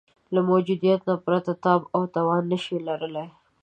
له موجودیته پرته تاب او توان نه شي لرلای.